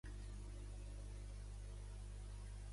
També va tenir relacions familiars amb Èsquil.